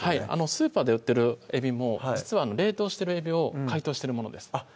スーパーで売ってるえびも実は冷凍してるえびを解凍してるものですあっ